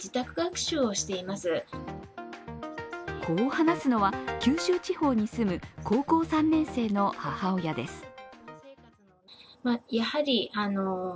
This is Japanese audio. こう話すのは九州地方に住む高校３年生の母親です。